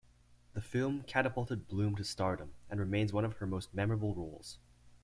The film catapulted Bloom to stardom, and remains one of her most memorable roles.